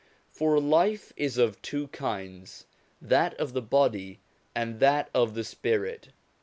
For life is of two kinds : that of the body, and that of the spirit.